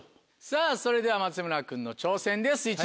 さぁそれでは松村君の挑戦です。